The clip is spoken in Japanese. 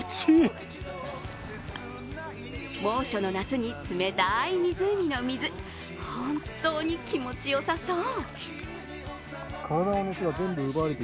猛暑の夏に冷たい湖の水、本当に気持ちよさそう。